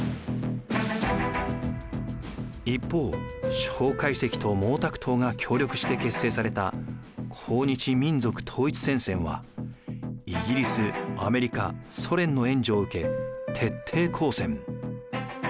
一方蒋介石と毛沢東が協力して結成された抗日民族統一戦線はイギリスアメリカソ連の援助を受け徹底抗戦。